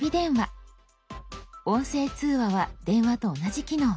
「音声通話」は電話と同じ機能。